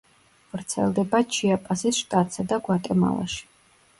ვრცელდება ჩიაპასის შტატსა და გვატემალაში.